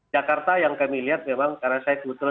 jakarta yang kami lihat memang karena saya kebetulan